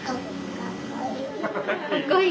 かっこいい？